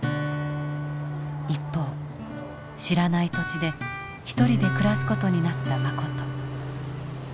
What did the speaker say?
一方知らない土地で一人で暮らす事になったマコト。